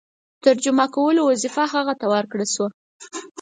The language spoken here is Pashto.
د ترجمه کولو وظیفه هغه ته ورکړه شوه.